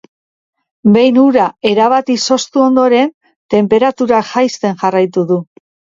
Behin ura erabat izoztu ondoren, tenperaturak jaisten jarraitu du.